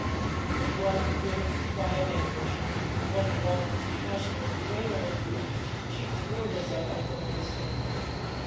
With one bitter cry of anguish, one long, passionate wail of grief, she threw herself on her mother's bed.